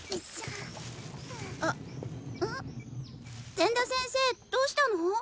善田先生どうしたの？